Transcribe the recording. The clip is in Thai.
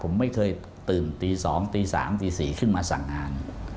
ผมไม่เคยตื่นตี๒ตี๓ตี๔ขึ้นมาสั่งงาน